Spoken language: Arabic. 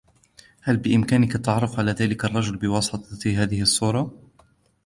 هل بإمكانك التعرف على ذلك الرجل بواسطة هذه الصورة؟